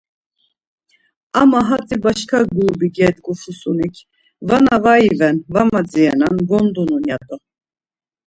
Ama hatzi başka gurubi gedgu Fusunik, vana var iven, va madzirenan, gondunun ya do.